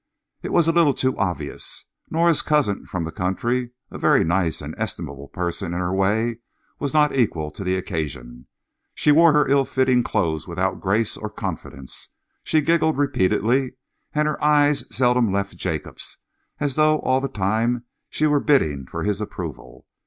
It was a little too obvious. Nora's cousin from the country, a very nice and estimable person in her way, was not equal to the occasion. She wore her ill fitting clothes without grace or confidence. She giggled repeatedly, and her eyes seldom left Jacob's, as though all the time she were bidding for his approval.